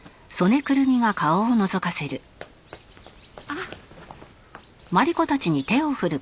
あっ！